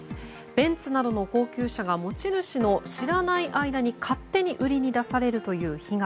ベンツなどの高級車が持ち主の知らない間に勝手に売りに出されるという被害。